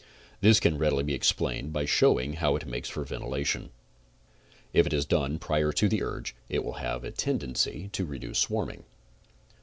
This can readily be explained by showing how it makes for ven tilation. If it is done prior to the urge it will have a tendency to \ CONSTRUCTIVE BEEKEEPING 15 reduce swarming.